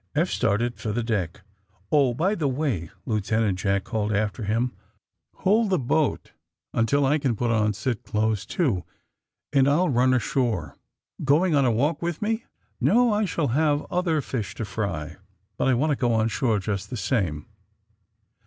'^ Eph started for the deck. "Oh, by the way," Lieutenant Jack called after him, "hold the boat until I can put on cit. clothes, too, and I'll run ashore." "Going on the walk with me?" "No ; I shall have other fish to fry, but I want to go on shore just the same."